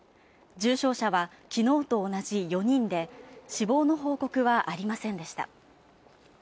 重症者は昨日と同じ４人で死亡の報告はありませんでした。